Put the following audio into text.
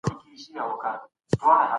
تيوري او عمل بايد سره يوځای سي.